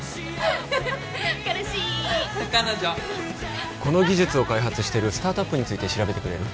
彼氏彼女この技術を開発してるスタートアップについて調べてくれる？